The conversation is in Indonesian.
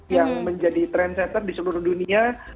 yang menjadi trendsetter di seluruh dunia